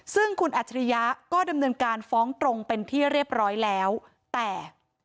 ซึ่งคุณอัจฉริยะก็ดำเนินการฟ้องตรงเป็นที่เรียบร้อยแล้วแต่